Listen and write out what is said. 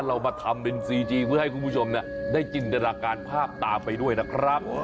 เรามาทำเป็นซีจีเพื่อให้คุณผู้ชมได้จินตนาการภาพตามไปด้วยนะครับ